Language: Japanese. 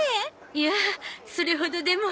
いやあそれほどでも。